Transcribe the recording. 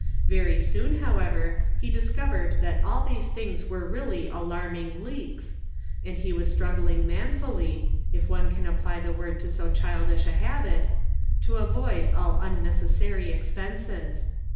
419 Very soon, however, he discovered that all these things were really alarming leaks, and he was struggling manfully, if one can apply the word to so childish a habit, to avoid all unnecessary expenses.